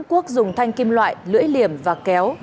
quốc dùng thanh kim loại lưỡi liềm và kéo